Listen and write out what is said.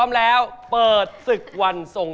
ไม่กินเป็นร้อย